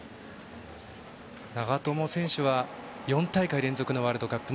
長友選手は４大会連続のワールドカップ。